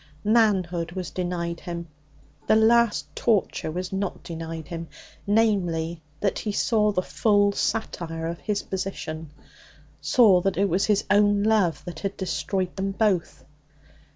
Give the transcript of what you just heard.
Manhood was denied him. The last torture was not denied him namely, that he saw the full satire of his position, saw that it was his own love that had destroyed them both.